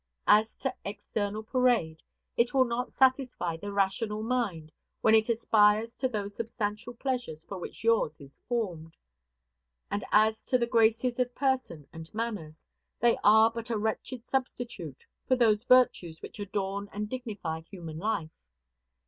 As to external parade, it will not satisfy the rational mind when it aspires to those substantial pleasures for which yours is formed. And as to the graces of person and manners, they are but a wretched substitute for those virtues which adorn and dignify human life.